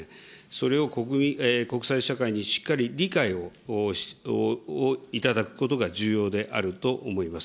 それを国際社会にしっかり理解をいただくことが重要であると思います。